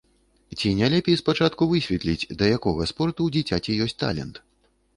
Ці не лепей спачатку высветліць, да якога спорту ў дзіцяці ёсць талент?